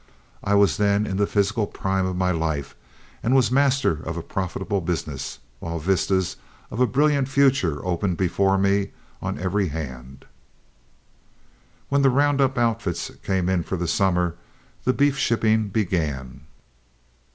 I was then in the physical prime of my life and was master of a profitable business, while vistas of a brilliant future opened before me on every hand. When the round up outfits came in for the summer, the beef shipping began.